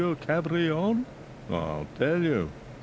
Cabrion? I'll tell you.